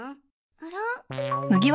あら？